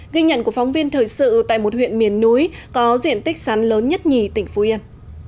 ghi nhận của phóng viên thời sự tại một huyện miền núi có diện tích sắn lớn nhất nhì tỉnh phú yên